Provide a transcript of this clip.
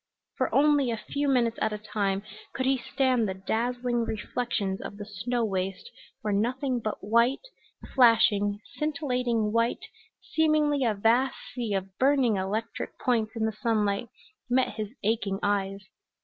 For only a few minutes at a time could he stand the dazzling reflections of the snow waste where nothing but white, flashing, scintillating white, seemingly a vast sea of burning electric points in the sunlight, met his aching eyes.